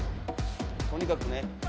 とにかくね。